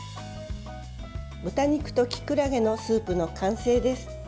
豚肉ときくらげのスープの完成です。